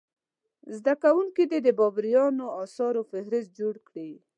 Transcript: زده کوونکي دې د بابریانو اثارو فهرست جوړ کړي.